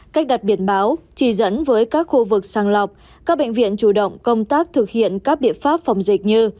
cách đặt biển báo chỉ dẫn với các khu vực sàng lọc các bệnh viện chủ động công tác thực hiện các biện pháp phòng dịch như